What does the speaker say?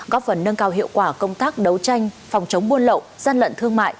góp phần nâng cao hiệu quả công tác đấu tranh phòng chống buôn lậu gian lận thương mại